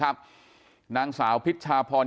กลุ่มตัวเชียงใหม่